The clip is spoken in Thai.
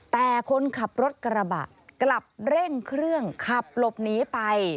แต่คนขับรถกระบะกลับเร่งเครื่องขับหลบหนีไป